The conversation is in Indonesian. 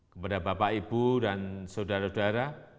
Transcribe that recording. kepada bapak ibu dan saudara saudara